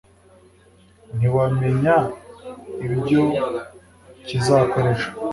ntiwamenya ibyo kizakora ejo.